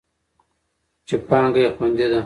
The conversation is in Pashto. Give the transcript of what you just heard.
چې پانګه یې خوندي ده.